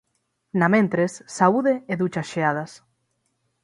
Namentres, saúde e duchas xeadas.